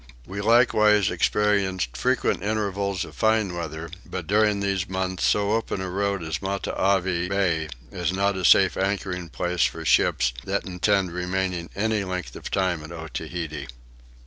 We likewise experienced frequent intervals of fine weather; but during these months so open a road as Matavai bay is not a safe anchoring place for ships that intend remaining any length of time at Otaheite.